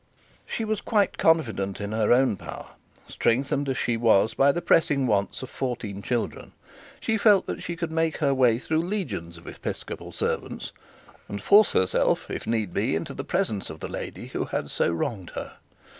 She was quite confident in her own power. Strengthened as she was by the pressing wants of fourteen children, she felt that she could make her way through legions of episcopal servants, and force herself, if need be, into the presence of the lady who had so wronged her.